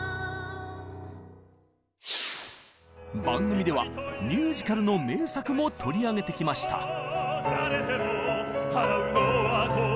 番組ではミュージカルの名作も取り上げてきました。